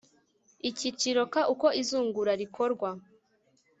icyiciro ka uko izungura rikorwa